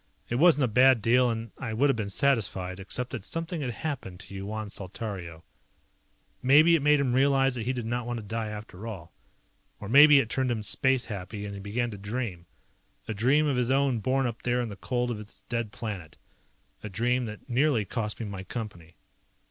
It wasn't a bad deal and I would have been satisfied, except that something had happened to Yuan Saltario. Maybe it made him realize that he did not want to die after all. Or maybe it turned him space happy and he began to dream. A dream of his own born up there in the cold of his dead planet. A dream that nearly cost me my Company.